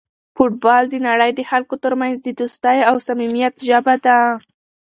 فوټبال د نړۍ د خلکو ترمنځ د دوستۍ او صمیمیت ژبه ده.